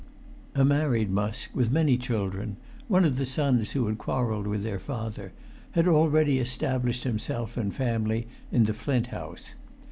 A married Musk with many children, one of the sons who had quarrelled with their father, had already established himself and family in the Flint House.